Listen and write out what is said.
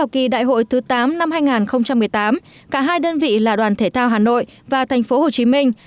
kỳ đại hội thứ tám năm hai nghìn một mươi tám cả hai đơn vị là đoàn thể thao hà nội và thành phố hồ chí minh